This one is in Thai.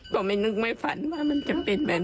ส่อดีคืออยากฝากได้ถึงทางครูโอมา์ครับ